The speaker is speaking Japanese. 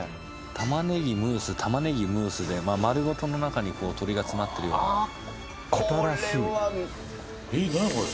玉ねぎムース玉ねぎムースで丸ごとの中に鶏が詰まってるような新しいえっなんや？